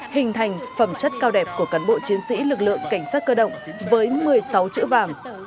hình thành phẩm chất cao đẹp của cán bộ chiến sĩ lực lượng cảnh sát cơ động với một mươi sáu chữ vàng